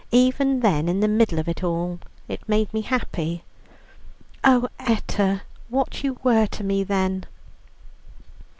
Even then, in the middle of it all, it made me happy." "Oh, Etta, what you were to me then!"